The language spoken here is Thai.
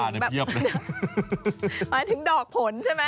หมายถึงดอกผลใช่ไหม